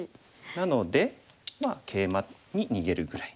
なのでケイマに逃げるぐらい。